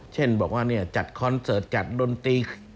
เช่นบอกว่าจัดคอนเสิร์ตจัดดนตรี